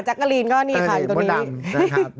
ชักกะลีนก็นี่ค่ะเยี่ยมดำน่ะครับ